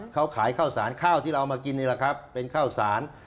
เขาขายข้าวสารข้าวที่เรามากินนี่แหละครับเป็นข้าวสาร